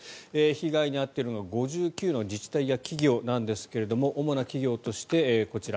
被害に遭っているのが５９の自治体や企業なんですが主な企業としてこちら。